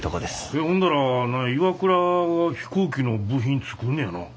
ほんだらＩＷＡＫＵＲＡが飛行機の部品作んねやなぁ。